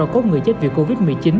cốt người chết vì covid một mươi chín